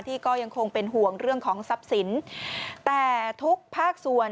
ที่ก็ยังคงเป็นห่วงเรื่องของทรัพย์สินแต่ทุกภาคส่วน